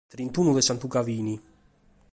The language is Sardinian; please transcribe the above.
Trintunu de santugaine.